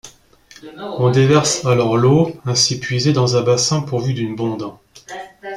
On déverse alors l'eau ainsi puisée dans un bassin pourvu d'une bonde.